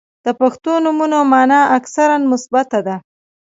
• د پښتو نومونو مانا اکثراً مثبته ده.